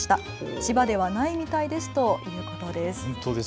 千葉ではないみたいですということです。